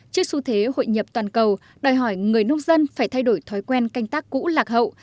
trước xu thế hội nhập toàn cầu đòi hỏi người nông dân phải thay đổi thói quen canh tác cũ lạc hậu